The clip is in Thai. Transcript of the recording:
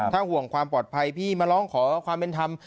ถ้าห่วงความปลอดภัยพี่มาร้องขอความเป็นธรรม